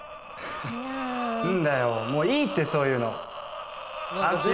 何だよもういいってそういうのアツシ